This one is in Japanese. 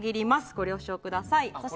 ご了承ください。